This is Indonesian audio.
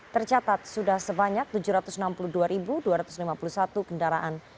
tercatat sudah sebanyak tujuh ratus enam puluh dua dua ratus lima puluh satu kendaraan